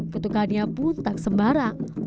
ketukannya pun tak sembarang